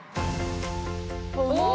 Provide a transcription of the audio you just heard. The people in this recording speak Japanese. お！